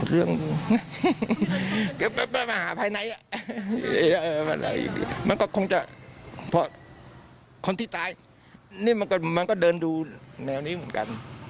เอาลองฟังนะฮะ